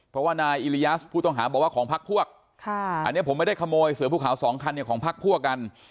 เพราะว่านายอิริยัสผู้ต้องหาบอกว่าของพักพวกอันนี้ผมไม่ได้ขโมยเสือผู้ขาวสองคันเนี่ยของพักพวกกัน